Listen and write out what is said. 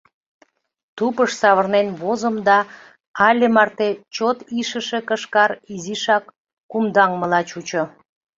Тупыш савырнен возым да але марте чот ишыше кышкар изишак кумдаҥмыла чучо.